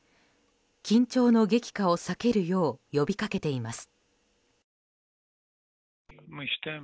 緊張の激化を避けるよう呼びかけています。